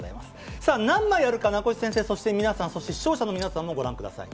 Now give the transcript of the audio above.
さあ、何枚あるか、名越先生、そして皆さん、そして視聴者の皆さんもご覧ください。